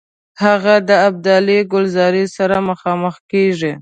هغه د ابدال کلزايي سره مخامخ کیږي.